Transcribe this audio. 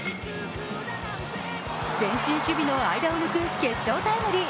前進守備の間を抜く決勝タイムリー。